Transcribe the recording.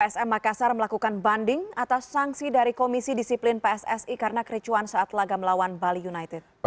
psm makassar melakukan banding atas sanksi dari komisi disiplin pssi karena kericuan saat laga melawan bali united